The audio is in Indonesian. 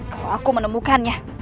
kalau aku menemukannya